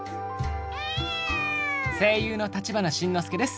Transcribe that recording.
声優の立花慎之介です。